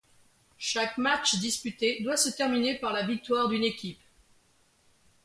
Chaque match disputé doit se terminer par la victoire d'une équipe.